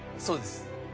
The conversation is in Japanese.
そうです。